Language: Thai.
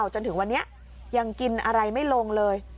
จนถึงวันนี้ยังกินอะไรไม่ลงเลย